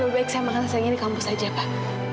lebih baik saya makan siangnya di kampus aja pak